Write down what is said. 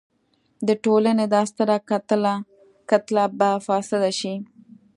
د ټولنې دا ستره کتله به فاسده شي.